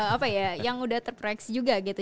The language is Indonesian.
apa ya yang udah terproyeksi juga gitu